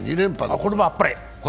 これもあっぱれ。